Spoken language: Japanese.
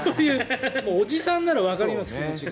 おじさんならわかります気持ちが。